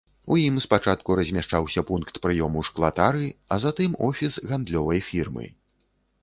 У ім спачатку размяшчаўся пункт прыёму шклатары, а затым офіс гандлёвай фірмы.